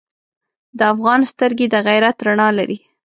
د افغان سترګې د غیرت رڼا لري.